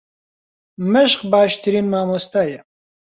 مەشق باشترین مامۆستایە.